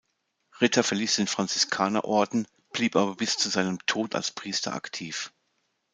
Ritter verließ den Franziskanerorden, blieb aber bis zu seinem Tod als Priester aktiv.